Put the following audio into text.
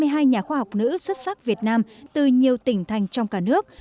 hội đồng xét xuyệt được ba nhà khoa học nữ xuất sắc việt nam từ nhiều tỉnh thành trong cả nước